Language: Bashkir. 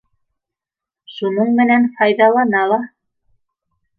Шуның менән файҙалана ла.